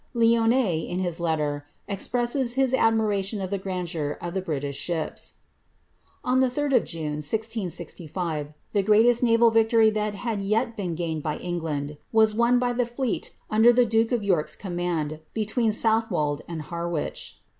Lionne, in this letter, expresses his admiration of the grandeur of the British ships. On the 3rd of June, 1665, the greatest naval victory that had yet been gained by England was won by the fleet under the duke of York's com mand^ between Southwold and Harwich.